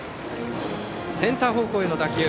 センター方向への打球。